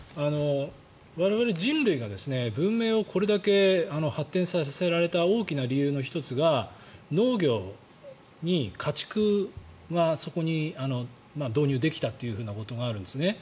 我々、人類が文明をこれだけ発展させられた大きな理由の１つが農業に家畜を導入できたということがあるんですね。